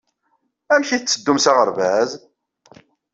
Amek ay tetteddum s aɣerbaz?